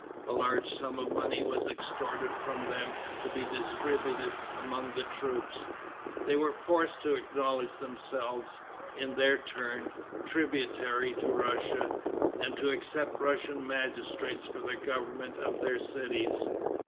A large sum of money was extorted from them to be distributed among the troops. They were forced to acknowledge themselves, in their turn, tributary to Russia, and to accept Russian magistrates for the government of their cities.